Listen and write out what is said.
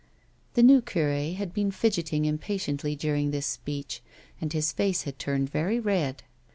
The new cure had been fidgetting impatiently during this speech, and his face had turned very red.